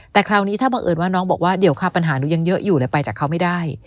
แต่คราวนี้ถ้าบังเอิญว่าน้องบอกว่าเดี๋ยวค่ะปัญหาหนูยังเยอะอยู่เลยไปจากเขาไม่ได้